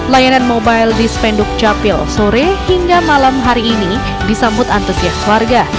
layanan mobile di spenduk capil sore hingga malam hari ini disambut antusias warga